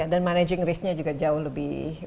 dan managing risknya juga jauh lebih